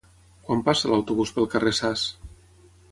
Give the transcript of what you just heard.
Quan passa l'autobús pel carrer Sas?